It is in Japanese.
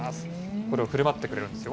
これをふるまってくれるんですよ。